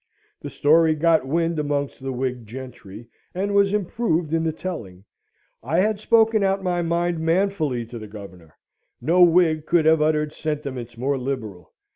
The story got wind amongst the Whig gentry, and was improved in the telling. I had spoken out my mind manfully to the Governor; no Whig could have uttered sentiments more liberal.